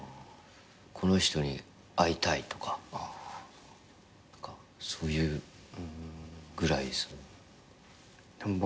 この人に会いたいとかそういうぐらいですね。